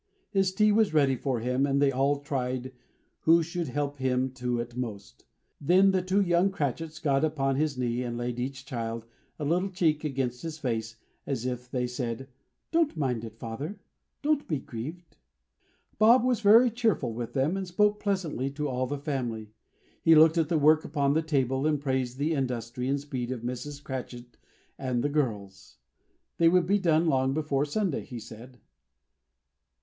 His tea was ready for him, and they all tried who should help him to it most. Then the two young Cratchits got upon his knees and laid, each child, a little cheek against his face, as if they said, "Don't mind it, father. Don't be grieved!" Bob was very cheerful with them, and spoke pleasantly to all the family. He looked at the work upon the table, and praised the industry and speed of Mrs. Cratchit and the girls. They would be done long before Sunday, he said.